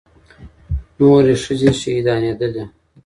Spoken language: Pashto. نورې ښځې شهيدانېدلې.